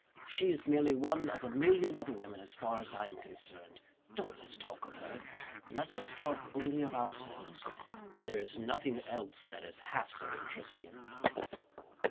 She is merely one of a million other women, as far as I am concerned. Don't let's talk of her. Let us talk only of ourselves there is nothing else that is half so interesting."